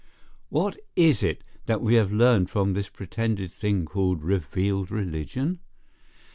What is it that we have learned from this pretended thing called revealed religion?